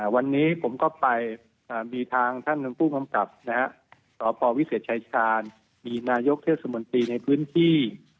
วันนี้ผมก็ไปมีทางท่านผู้กำกับสพวิเศษชายชาญมีนายกเทศมนตรีในพื้นที่